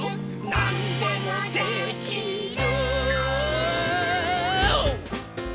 「なんでもできる！！！」